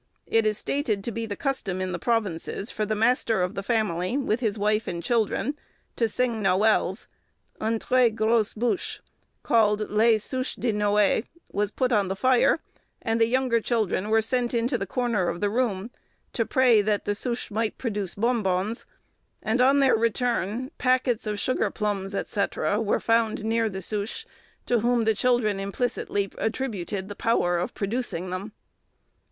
It is stated to be the custom in the provinces, for the master of the family, with his wife and children, to sing noëls; "une très grosse buche," called lai suche de noei, was put on the fire, and the younger children were sent into the corner of the room, to pray that the suche might produce bon bons; and on their return, packets of sugar plums, &c., were found near the suche, to whom the children implicitly attributed the power of producing them.